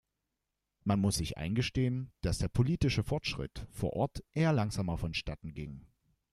Man muss sich eingestehen, dass der politische Fortschritt vor Ort eher langsamer vonstatten ging.